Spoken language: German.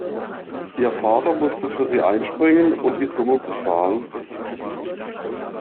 Ihr Vater musste für sie einspringen und die Summe bezahlen.